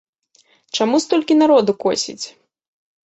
Чаму столькі народу косіць?